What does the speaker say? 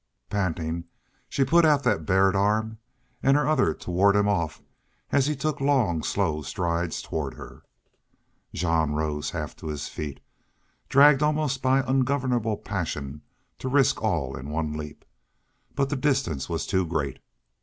Pantingly she put out that bared arm and her other to ward him off as he took long, slow strides toward her. Jean rose half to his feet, dragged by almost ungovernable passion to risk all on one leap. But the distance was too great.